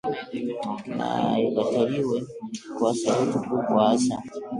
Na ikataliwe kwa sauti kubwa hasa